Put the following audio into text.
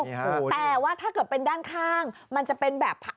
แต่ว่าถ้าเกิดเป็นด้านข้างมันจะเป็นแบบ